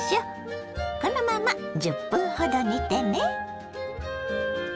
このまま１０分ほど煮てね。